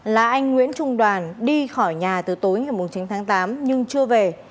là anh nguyễn trung đoàn đi khỏi nhà từ tối ngày chín tháng tám nhưng chưa về